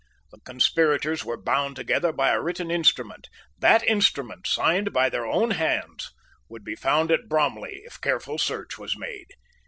The conspirators were bound together by a written instrument. That instrument, signed by their own hands, would be found at Bromley if careful search was made.